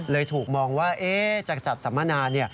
เลยถูกมองว่าจะจัดสำนาน